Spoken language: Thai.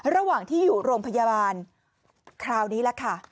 ระหว่างที่อยู่โรงพยาบาลคราวนี้แหละค่ะ